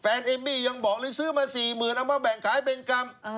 เอมมี่ยังบอกเลยซื้อมา๔๐๐๐เอามาแบ่งขายเป็นกรรม